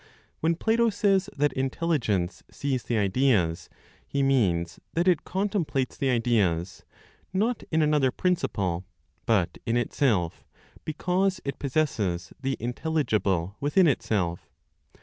When Plato says that intelligence sees the ideas, he means that it contemplates the ideas, not in another principle, but in itself, because it possesses the intelligible within itself.